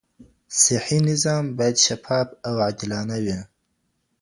صحي نظام باید شفاف او عادلانه وي.